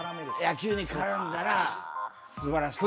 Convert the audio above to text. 野球に絡んだら素晴らしかった。